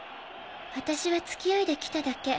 私は付き合いで来ただけ。